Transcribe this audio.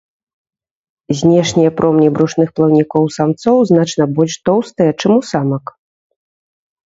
Знешнія промні брушных плаўнікоў самцоў значна больш тоўстыя, чым у самак.